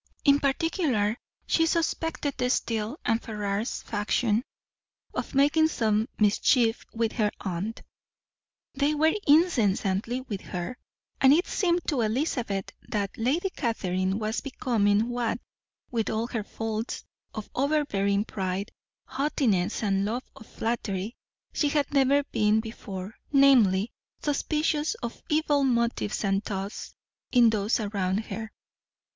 In particular, she suspected the Steele and Ferrars faction of making some mischief with her aunt; they were incessantly with her, and it seemed to Elizabeth that Lady Catherine was becoming what, with all her faults of overbearing pride, haughtiness and love of flattery, she had never been before, namely, suspicious of evil motives and thoughts in those around her.